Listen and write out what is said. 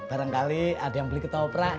barangkali ada yang beli ketoprak